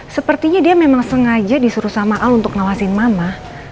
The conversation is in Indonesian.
sepertinya dia memang sengaja disuruh sama al untuk ngawasin mama